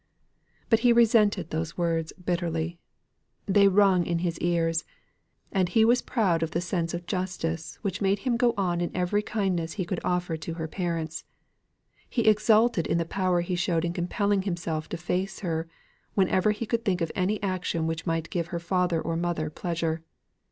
But he resented those words bitterly. They rung in his ears; and he was proud of the sense of justice which made him go in every kindness he could offer to her parents. He exulted in the power he showed in compelling himself to face her, whenever he could think of any action which might give her father or mother pleasure.